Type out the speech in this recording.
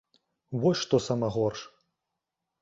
Вось што сама горш!